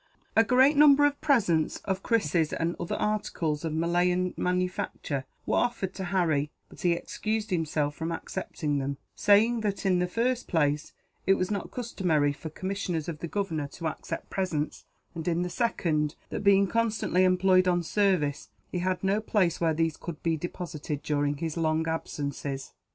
A great number of presents, of krises and other articles of Malayan manufacture, were offered to Harry; but he excused himself from accepting them, saying that, in the first place, it was not customary for commissioners of the Governor to accept presents; and in the second that, being constantly employed on service, he had no place where these could be deposited, during his long absences.